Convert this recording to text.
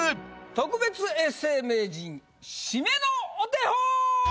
特別永世名人締めのお手本！